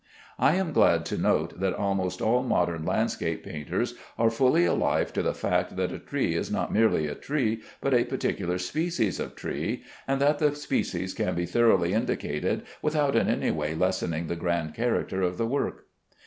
I am glad to note that almost all modern landscape painters are fully alive to the fact that a tree is not merely a tree, but a particular species of tree, and that the species can be thoroughly indicated without in any way lessening the grand character of the work.